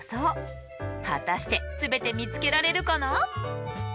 果たして全て見つけられるかな？